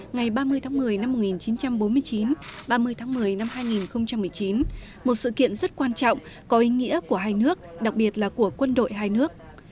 ngày ba mươi tháng một mươi năm một nghìn chín trăm bốn mươi chín ba mươi tháng một mươi năm hai nghìn một mươi chín một sự kiện rất quan trọng có ý nghĩa của hai nước đặc biệt là của quân đội hai nước